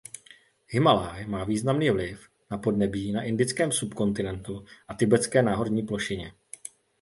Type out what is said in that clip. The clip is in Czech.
Himálaj má významný vliv na podnebí na Indickém subkontinentu a Tibetské náhorní plošině.